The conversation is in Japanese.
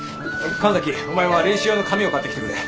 神崎お前は練習用の紙を買ってきてくれ。